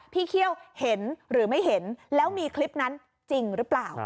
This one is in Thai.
เคี่ยวเห็นหรือไม่เห็นแล้วมีคลิปนั้นจริงหรือเปล่า